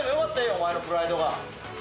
お前のプライドが。